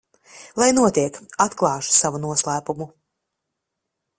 Lai notiek, atklāšu savu noslēpumu.